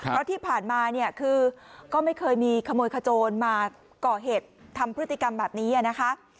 เพราะที่ผ่านมาเนี่ยคือก็ไม่เคยมีขโมยขโจรมาก่อเหตุทำพฤติกรรมแบบนี้นะคะ